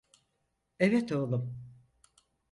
Evet oğlum.